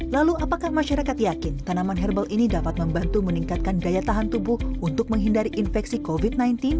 lalu apakah masyarakat yakin tanaman herbal ini dapat membantu meningkatkan daya tahan tubuh untuk menghindari infeksi covid sembilan belas